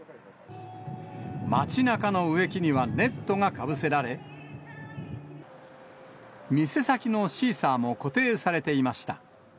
街なかの植木にはネットがかぶせられ、店先のシーサーも固定されていました。